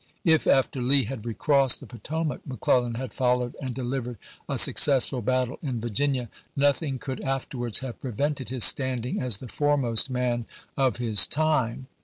If, after Lee had recrossed the Potomac, McCleUan had followed and delivered a successful battle in Virginia, nothing could after wards have prevented his standing as the foremost man of his time.